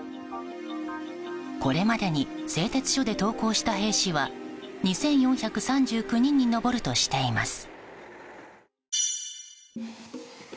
これまでに製鉄所で投降した兵士は２４３９人に上るとしています。